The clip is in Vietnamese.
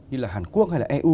như là hàn quốc hay là eu